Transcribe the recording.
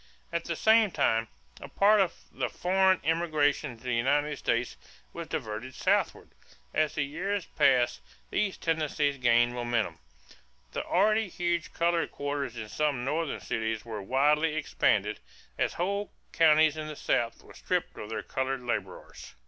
At the same time a part of the foreign immigration into the United States was diverted southward. As the years passed these tendencies gained momentum. The already huge colored quarters in some Northern cities were widely expanded, as whole counties in the South were stripped of their colored laborers.